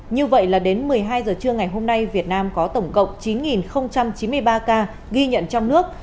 như vậy là đến một mươi hai giờ trưa ngày hôm nay việt nam có tổng cộng chín chín mươi ba ca ghi nhận trong nước